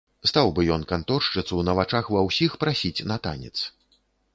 Стаў бы ён канторшчыцу на вачах ва ўсіх прасіць на танец.